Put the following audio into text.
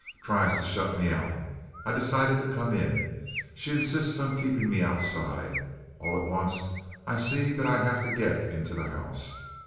Tries to shut me out; I decided to come in. She insists on keeping me outside; all at once I see that I have to get into the house.